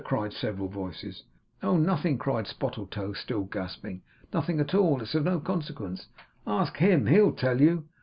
cried several voices. 'Oh nothing!' cried Spottletoe, still gasping. 'Nothing at all! It's of no consequence! Ask him! HE'll tell you!